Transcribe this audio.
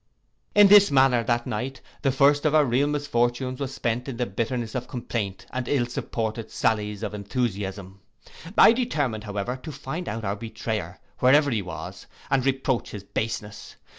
In this manner that night, the first of our real misfortunes, was spent in the bitterness of complaint, and ill supported sallies of enthusiasm. I determined, however, to find out our betrayer, wherever he was, and reproach his baseness.